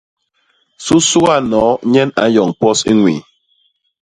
Susuga hinoo nyen a nyoñ pos i ñwii.